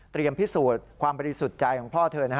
พิสูจน์ความบริสุทธิ์ใจของพ่อเธอ